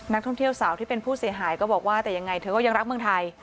นักท่องเที่ยวสาวที่เป็นผู้เสียหายก็บอกว่าแต่ยังไงเธอก็ยังรักเมืองไทย